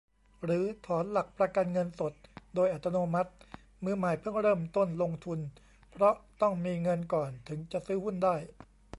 หรือถอนหลักประกันเงินสด โดยอัตโนมัติ มือใหม่เพิ่งเริ่มต้นลงทุน เพราะต้องมีเงินก่อนถึงจะซื้อหุ้นได้